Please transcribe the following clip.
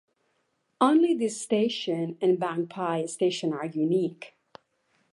Only this station and Bang Phai station are unique.